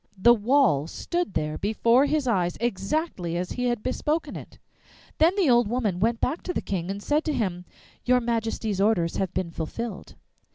The wall stood there before his eyes, exactly as he had bespoken it! Then the old woman went back to the King and said to him, 'Your Majesty's orders have been fulfilled.